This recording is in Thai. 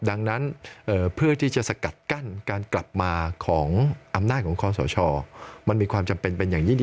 ดังนั้นเพื่อที่จะสกัดกั้นการกลับมาของอำนาจของคอสชมันมีความจำเป็นเป็นอย่างยิ่ง